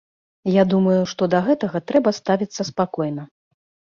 Я думаю, што да гэтага трэба ставіцца спакойна.